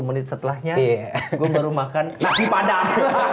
sepuluh menit setelahnya gue baru makan nasi padang